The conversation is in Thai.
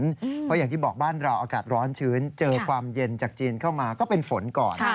เพราะอย่างที่บอกบ้านเราอากาศร้อนชื้นเจอความเย็นจากจีนเข้ามาก็เป็นฝนก่อน